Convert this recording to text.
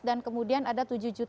dan kemudian ada tujuh seratus